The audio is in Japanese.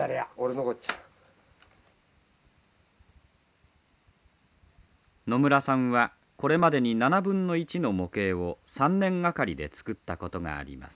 のむらさんはこれまでに７分の１の模型を３年がかりで作ったことがあります。